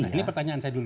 ini pertanyaan saya dulu